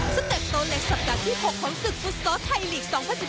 เต็ปโตเล็กสัปดาห์ที่๖ของศึกฟุตซอลไทยลีก๒๐๑๙